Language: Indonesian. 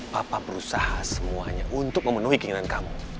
papa berusaha semuanya untuk memenuhi keinginan kamu